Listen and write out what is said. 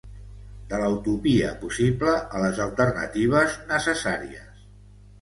De la utopia possible a les alternatives necessàries.